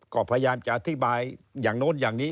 ก็พยายามจะอธิบายอย่างโน้นอย่างนี้